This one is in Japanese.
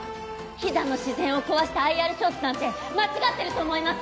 飛騨の自然を壊してＩＲ招致なんて間違ってると思います！